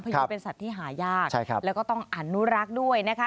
ยูเป็นสัตว์ที่หายากแล้วก็ต้องอนุรักษ์ด้วยนะคะ